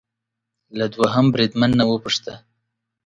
له دوهم بریدمن نه وپوښته